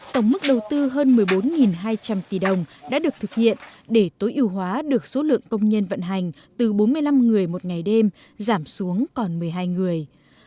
tổng mức đầu tư hơn một mươi bốn hai trăm linh tỷ đồng đã được thực hiện để tối ưu hóa được số lượng công nhân vận hành từ bốn mươi năm người một ngày đêm giảm xuống còn một mươi hai người